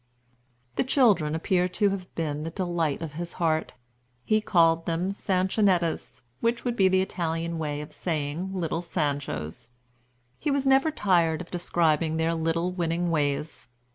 The children appear to have been the delight of his heart. He called them "Sanchonettas," which would be the Italian way of saying Little Sanchos. He was never tired of describing their little winning ways.